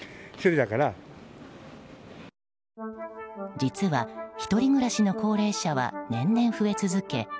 実は、１人暮らしの高齢者は年々増え続け